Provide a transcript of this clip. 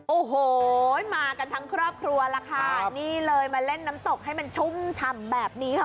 โอ้โหมากันทั้งครอบครัวล่ะค่ะนี่เลยมาเล่นน้ำตกให้มันชุ่มฉ่ำแบบนี้ค่ะ